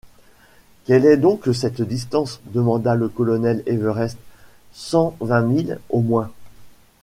Quelle est donc cette distance ? demanda le colonel Everest. — Cent vingt milles au moins.